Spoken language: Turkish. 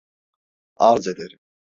Arz ederim.